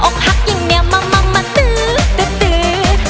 อกหักอย่างเงียบมามาตื๊ดตื๊ดตื๊ด